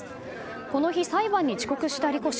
この日裁判に遅刻したリコ氏。